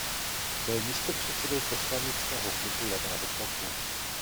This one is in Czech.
Byl místopředsedou poslaneckého klubu Levého bloku.